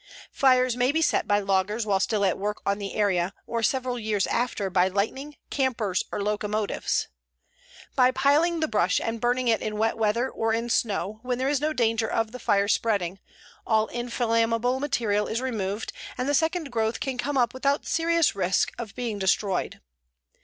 Fires may be set by loggers while still at work on the area or several years after by lightning, campers, or locomotives. By piling the brush and burning it in wet weather, or in snow, when there is no danger of the fire spreading, all inflammable material is removed, and the second growth can come up without serious risk of being destroyed.